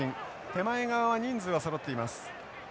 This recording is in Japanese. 手前側は人数はそろっています。